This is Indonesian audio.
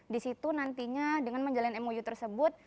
di situ nantinya dengan menjalin mou tersebut